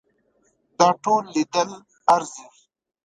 دا ټول لیدل ارزي.